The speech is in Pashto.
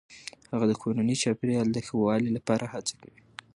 هغه د کورني چاپیریال د ښه والي لپاره هڅه کوي.